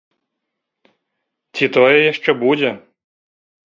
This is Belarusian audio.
Ці тое яшчэ будзе!